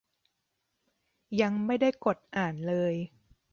ยังไม่ได้กดอ่านเลย